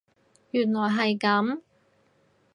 原來係噉